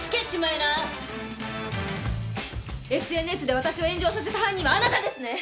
ＳＮＳで私を炎上させた犯人はあなたですね！